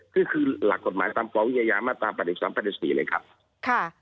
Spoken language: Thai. ก็คือหลักกฎหมายตามประวัยยะยะมาตามปฏิสรรค์ภัณฑ์สี่เลยครับค่ะ